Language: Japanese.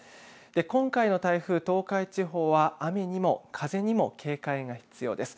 今回の台風、東海地方は雨にも風にも警戒が必要です。